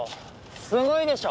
すごいでしょ？